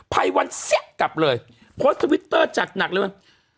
ภัยวันเสี้ยกลับเลยโพสต์ทวิตเตอร์จัดหนักเลย